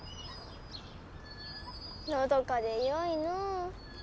のどかでよいのう。